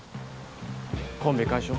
コンビ解消？